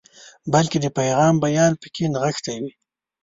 بلکې د پیغام بیان پکې نغښتی وي.